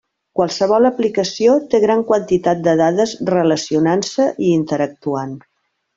Qualsevol aplicació té gran quantitat de dades relacionant-se i interactuant.